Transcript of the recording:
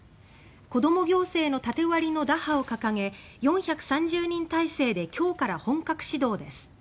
子ども行政の縦割りの打破を掲げ４３０人体制で今日から本格始動です。